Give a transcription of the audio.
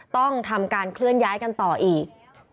ต้องทำการเคลื่อนย้ายกันต่ออีก